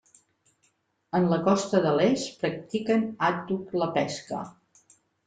En la costa de l'est practiquen àdhuc la pesca.